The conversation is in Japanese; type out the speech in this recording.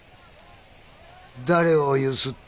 誰をゆすった。